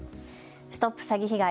ＳＴＯＰ詐欺被害！